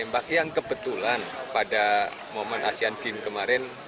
bagi yang kebetulan pada momen asean games kemarin